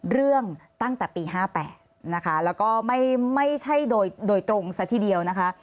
ตั้งแต่ปี๕๘นะคะแล้วก็ไม่ใช่โดยตรงซะทีเดียวนะคะ